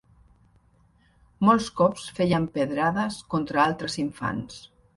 Molts cops feien pedrades contra altres infants